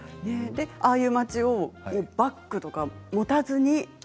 ああいう街をバッグとか持たずに。